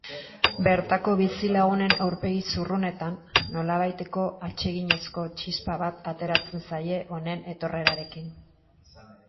Bertako bizilagunen aurpegi zurrunetan, nolabaiteko atseginezko txispa bat ateratzen zaie honen etorrerarekin.